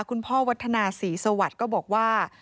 คุณพ่อวัฒนาศรีสวัสดิ์ก็บอกว่า